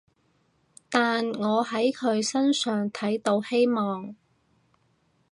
但我喺佢身上睇到希望